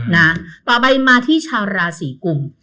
นะต่อไปมาที่ชาวราศีกุม